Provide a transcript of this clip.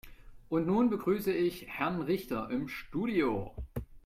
Und nun begrüße ich Herrn Richter im Studio.